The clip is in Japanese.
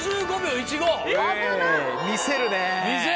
魅せるね。